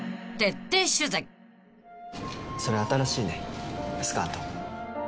「それ新しいねスカート」